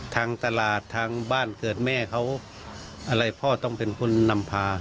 ทางตลาดทางบ้านเกิดแม่เขาอะไรพ่อต้องเป็นคนนำพา